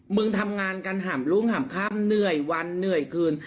มึงทำงานกันหามรุ่งหามค่ำเหนื่อยวันเหนื่อยคืน